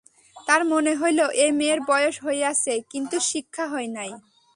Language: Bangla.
তাঁর মনে হইল, এ মেয়ের বয়স হইয়াছে কিন্তু শিক্ষা হয় নাই।